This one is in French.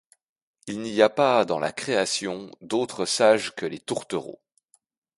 Il n'y a pas dans la création d'autres sages que les tourtereaux.